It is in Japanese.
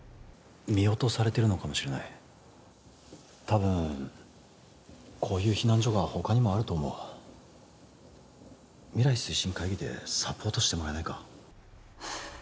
見落とされてるのかもしれないたぶんこういう避難所が他にもあると思う未来推進会議でサポートしてもらえないか？